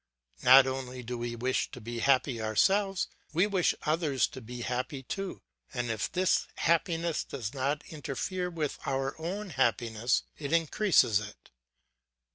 Not only do we wish to be happy ourselves, we wish others to be happy too, and if this happiness does not interfere with our own happiness, it increases it.